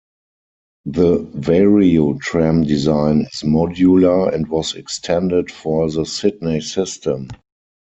The Variotram design is modular and was extended for the Sydney system.